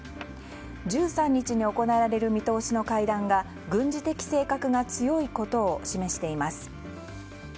１３日に行われる見通しの会談が軍事的性格が強いことを示しています。